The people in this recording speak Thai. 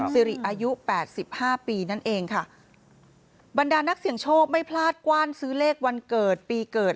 สิริอายุแปดสิบห้าปีนั่นเองค่ะบรรดานักเสี่ยงโชคไม่พลาดกว้านซื้อเลขวันเกิดปีเกิด